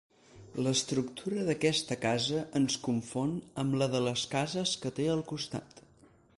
L'estructura d'aquesta casa ens confon amb la de les cases que té al costat.